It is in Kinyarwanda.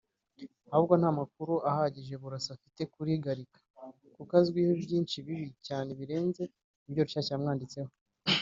Ahubwo nta makuru ahagije Burasa afite kuri Gallican kuko azwiho byinshi bibi cyane birenze ibyo Rushyashya yamwanditseho